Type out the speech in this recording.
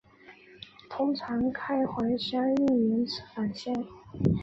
通常开环相位延迟反相。